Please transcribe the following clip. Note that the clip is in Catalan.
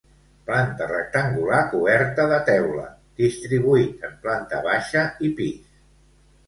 Planta rectangular, coberta de teula, distribuït en planta baixa i pis.